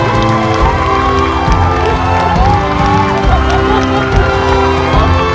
ขอบคุณมาก